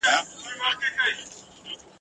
دلته له ورځي سره لمر لکه شېبه ځلیږي !.